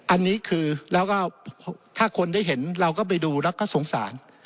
อันนี้คือแล้วก็ถ้าคนได้เห็นเราก็ไปดูแล้วก็สงสาร